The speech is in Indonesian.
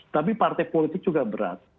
tapi partai politik juga berat